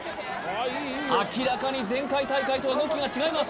明らかに前回大会とは動きが違います